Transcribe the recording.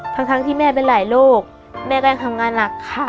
ทั้งที่แม่เป็นหลายโรคแม่ก็ยังทำงานหนักค่ะ